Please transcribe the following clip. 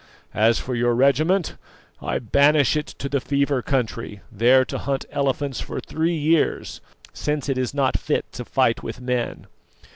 As for your regiment, I banish it to the fever country, there to hunt elephants for three years, since it is not fit to fight with men."